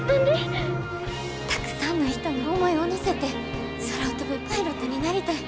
たくさんの人の思いを乗せて空を飛ぶパイロットになりたい。